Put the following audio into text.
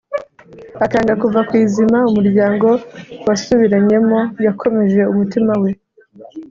akanga kuva ku izima umuryango wasubiranyemo; yakomeje umutima we,